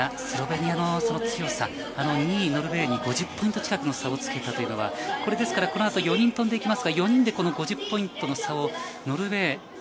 スロベニアの強さ、２位ノルウェーに５０ポイント近くの差をつけたというのは、この後、４人飛んできますが、４人で５０ポイントの差をノルウェー。